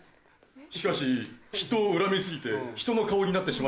しかし人を恨み過ぎて人の顔になってしまったのだ。